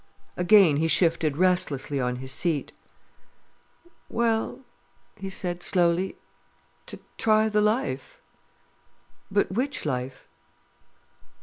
Again he shifted restlessly on his seat. "Well"—he said slowly—"to try the life." "But which life?"